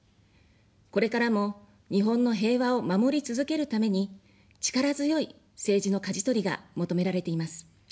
これからも日本の平和を守り続けるために、力強い政治のかじ取りが求められています。